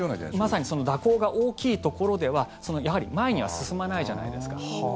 まさにその蛇行が大きいところでは前には進まないじゃないですか。